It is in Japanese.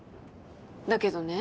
だけどね